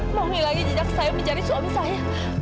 mau ngilangi jejak saya mencari suami saya